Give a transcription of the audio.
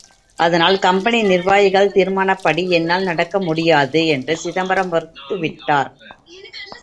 அதனால், கம்பெனி நிர்வாகிகள் தீர்மானப்படி என்னால் நடக்க முடியாது என்று சிதம்பரம் மறுத்து விட்டார்.